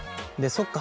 そっか。